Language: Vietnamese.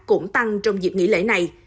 cũng tăng trong dựng nghỉ lễ này